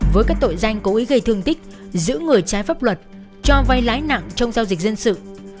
với các tội danh cố ý gây thương tích giữ người trái pháp luật cho vay lãi nặng trong giao dịch dân sự